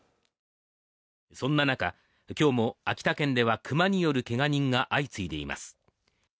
そんな中今日も秋田県ではクマによるけが人が相次いでいます